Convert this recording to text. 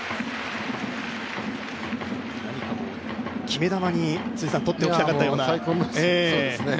決め球にとっておきたかったようね。